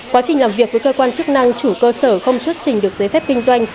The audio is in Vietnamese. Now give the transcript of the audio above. quá trình làm việc với cơ quan chức năng chủ cơ sở không xuất trình được giấy phép kinh doanh